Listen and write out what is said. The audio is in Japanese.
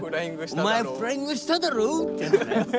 「お前フライングしただろ？」ってやつね。